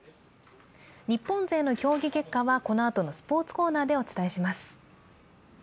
日本勢の競技結果はこのあとのスポーツコーナーでお伝えします。